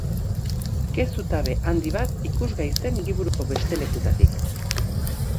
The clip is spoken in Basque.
Ke zutabe handi bat ikusgai zen hiriburuko beste lekutatik.